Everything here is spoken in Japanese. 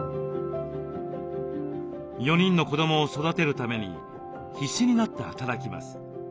４人の子どもを育てるために必死になって働きます。